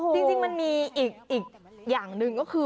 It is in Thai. จริงมันมีอีกอย่างหนึ่งก็คือ